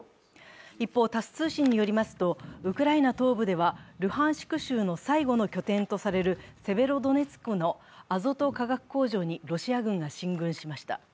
一方、タス通信によりますとウクライナ東部では、ルハンシク州の最後の拠点とされるセベロドネツクのアゾト化学工場にロシア軍が進軍しました。